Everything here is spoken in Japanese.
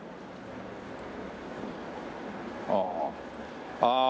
ああ。